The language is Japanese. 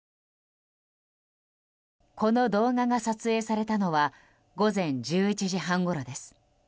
この動画が撮影されたのは午前１１時半ごろです。